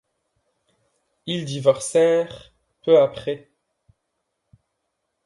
Ils divorcèrent peu après.